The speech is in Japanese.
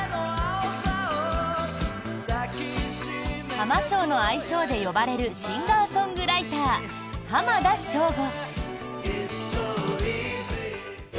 ハマショーの愛称で呼ばれるシンガーソングライター浜田省吾。